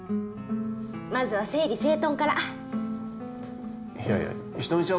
まずは整理整頓からいやいや人見ちゃん